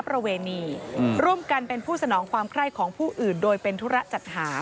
ร่วมกันเป็นผู้สนองความคล่ายของผู้อื่นโดยเป็นธุระจัดหา